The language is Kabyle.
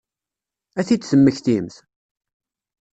Ad t-id-temmektimt?